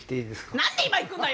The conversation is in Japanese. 何で今行くんだよ！